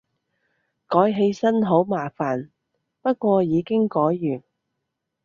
改起身好麻煩，不過已經改完